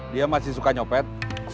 dia masih suka nyopet